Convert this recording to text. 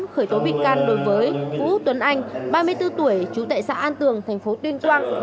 khởi tố bị can đối với vũ tuấn anh ba mươi bốn tuổi chú tại xã an tường thành phố tuyên quang